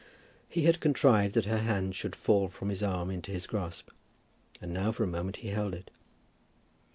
He had contrived that her hand should fall from his arm into his grasp, and now for a moment he held it.